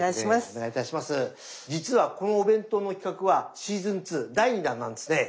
実はこのお弁当の企画はシーズン２第２弾なんですね。